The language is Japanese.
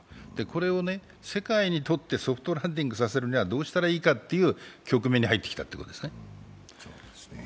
これを世界にとってソフトランディングさせるにはどうしたらいいかという局面に入ってきたということですね。